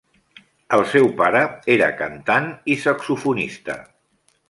El seu pare era cantant i saxofonista.